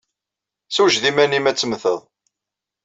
Ssewjed iman-nnem ad temmteḍ!